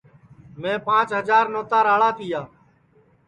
میں پانٚچ ہجار نوتا راݪا تیا